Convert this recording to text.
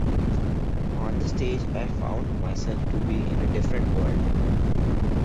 On the stage I found myself to be in a different world.